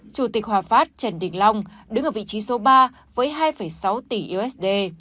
chủ tịch hòa phát trần đình long đứng ở vị trí số ba với hai sáu tỷ usd